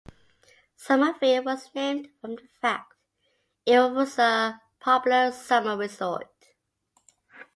Summerville was named from the fact it was a popular summer resort.